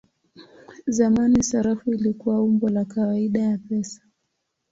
Zamani sarafu ilikuwa umbo la kawaida ya pesa.